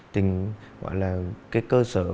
tình gọi là cái cơ sở